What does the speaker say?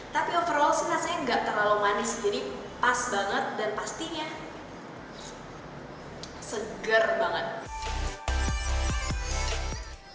tapi overall sih rasanya nggak terlalu manis jadi pas banget dan pastinya segar banget